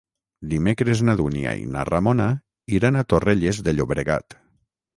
Dimecres na Dúnia i na Ramona iran a Torrelles de Llobregat.